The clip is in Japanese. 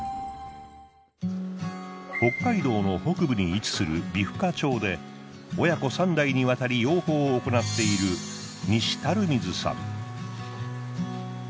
北海道の北部に位置する美深町で親子３代にわたり養蜂を行っている西垂水さん。